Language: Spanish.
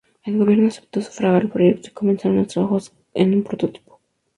El gobierno aceptó sufragar el proyecto y comenzaron los trabajos en un prototipo.